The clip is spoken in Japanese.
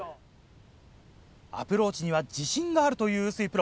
アプローチには自信があるという臼井プロ。